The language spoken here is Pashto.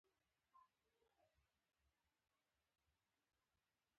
زموږ د کلي محمد نور بایسکل ساز.